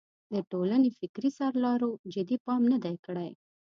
د ټولنې فکري سرلارو جدي پام نه دی کړی.